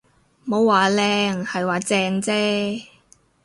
冇話靚，係話正啫